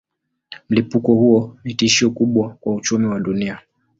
Mlipuko huo ni tishio kubwa kwa uchumi wa dunia.